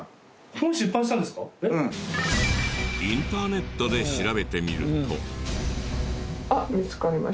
インターネットで調べてみると。